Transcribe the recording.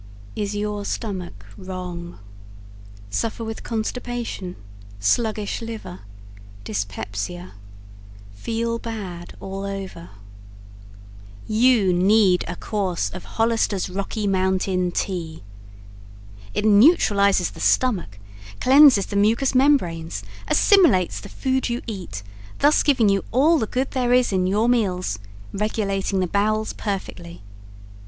Is Your Stomach Wrong? Suffer with Constipation, Sluggish Liver, Dyspepsia, Feel Bad All Over? YOU NEED A COURSE OF HOLLISTER'S ROCKY MOUNTAIN TEA It Neutralizes the stomach, cleanses the Mucus Membranes, assimilates the food you eat, thus giving you all the good there is in your meals, regulating the bowels perfectly.